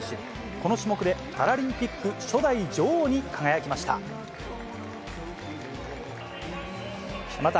この種目で、パラリンピック初代女王に輝きました。